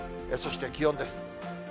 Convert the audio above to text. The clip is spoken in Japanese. そして気温です。